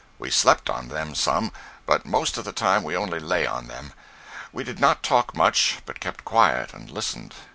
We slept on them some, but most of the time we only lay on them. We did not talk much, but kept quiet and listened.